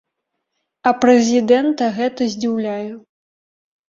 А прэзідэнта гэта здзіўляе.